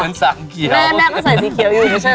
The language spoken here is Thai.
แม่ก็ใส่สีเขียวอยู่ด้วยเฉย